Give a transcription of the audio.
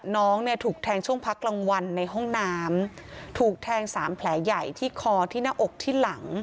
น้องเนี่ยถูกแทงช่วงพักกลางวันในห้องน้ำถูกแทงสามแผลใหญ่ที่คอที่หน้าอกที่หลัง